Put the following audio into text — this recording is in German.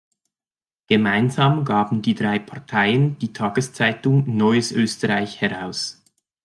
Gemeinsam gaben die drei Parteien die Tageszeitung "Neues Österreich" heraus.